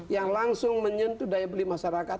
yang langsung menyentuh daya beli masyarakat